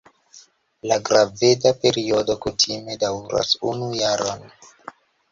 La graveda periodo kutime daŭras unu jaron.